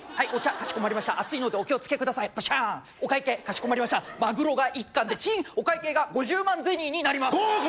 かしこまりました熱いのでお気をつけくださいバシャーンお会計かしこまりましたマグロが一貫でチンお会計が５０万ゼニーになります５！